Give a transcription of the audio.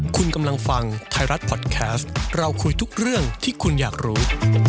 คุณกำลังฟังไทยรัฐพอดแคสต์เราคุยทุกเรื่องที่คุณอยากรู้